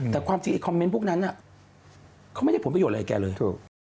แต่ความจริงไอคอมเมนต์พวกนั้นเขาไม่ได้ผลประโยชน์อะไรกับแกเลย